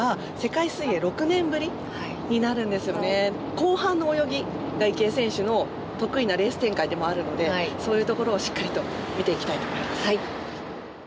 後半の泳ぎが池江選手の得意なレース展開でもあるのでそういうところをしっかりと見ていきたいと思います。